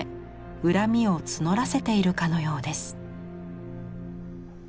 恨みを募らせているかのようです。